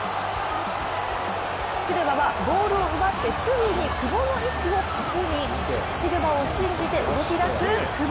シルバはボールを奪ってすぐに久保の位置を確認、シルバを信じて動きだす久保。